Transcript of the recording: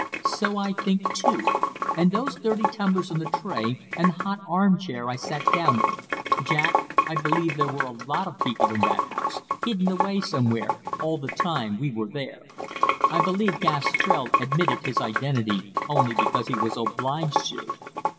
"So I think, too. And those dirty tumblers on the tray, and the hot arm chair I sat down in Jack, I believe there were a lot of people in that house, hidden away somewhere, all the time we were there. I believe Gastrell admitted his identity only because he was obliged to.